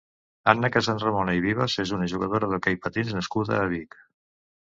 Anna Casarramona i Vivas és una jugador d'hoquei patins nascuda a Vic.